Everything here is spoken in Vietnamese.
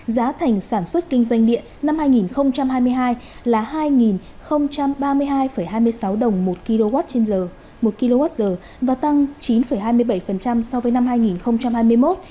giá thành sản xuất kinh doanh điện năm hai nghìn hai mươi hai là hai ba mươi hai hai mươi sáu đồng một kw trên một kwh và tăng chín hai mươi bảy so với năm hai nghìn hai mươi một